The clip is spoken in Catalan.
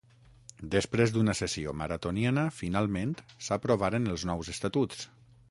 Després d'una sessió maratoniana finalment s'aprovaren els nous estatuts.